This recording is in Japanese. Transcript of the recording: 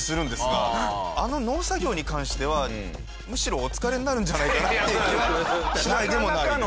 あの農作業に関してはむしろお疲れになるんじゃないかなっていう気はしないでもないです。